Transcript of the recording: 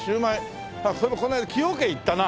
そういえばこの間崎陽軒行ったな。